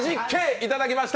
いただきました。